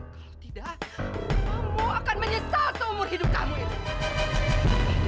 kalau tidak kamu akan menyesal seumur hidup kamu ini